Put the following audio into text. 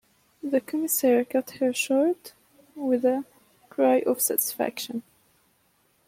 The Commissaire cut her short with a cry of satisfaction.